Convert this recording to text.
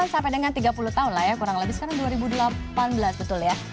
sampai dengan tiga puluh tahun lah ya kurang lebih sekarang dua ribu delapan belas betul ya